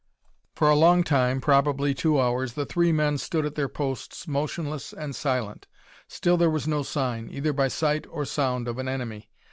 For a long time, probably two hours, the three men stood at their posts motionless and silent; still there was no sign, either by sight or sound, of an enemy.